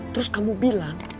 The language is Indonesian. terus kamu bilang